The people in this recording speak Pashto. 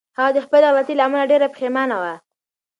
هغه د خپلې غلطۍ له امله ډېره پښېمانه وه.